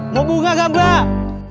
mau bunga gak mbak